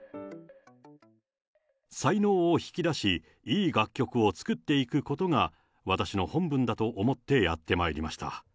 才能を引き出し、いい楽曲を作っていくことが、私の本分だと思ってやってまいりました。